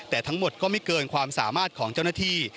แต่ทั้งหมดก็ไม่เกินความสามารถของเจ้าหน้าที่